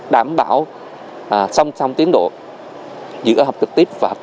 đảm bảo xong tiến độ